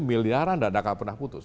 miliaran dan tak pernah putus